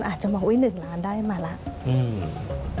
อาจจะเหมาะว่า๑ล้านได้มาแล้ว